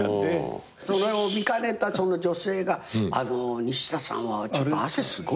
それを見かねたその女性が「あの西田さんはちょっと汗すごいですよ」